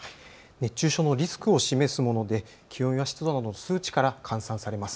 熱中症のリスクを示すもので気温や湿度などの数値から換算されます。